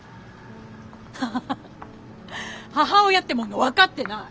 ハハハ母親ってもんが分かってない。